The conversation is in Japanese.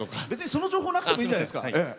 その情報なくてもいいんじゃないですか。